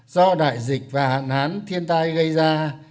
do đại dịch và hạn hán thiên tai gây ra